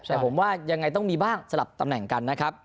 แต่ผมว่ายังไงต้องมีบ้างสลับตำแหน่งกันนะครับ